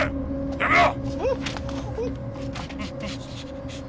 やめろ！